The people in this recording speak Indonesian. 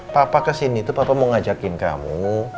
papa kesini tuh papa mau ngajakin kamu